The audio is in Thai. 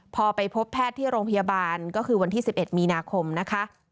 พอไปพบแพทย์ที่โรงพยาบาลก็คือวันที่๑๑มีนาคมนะคะ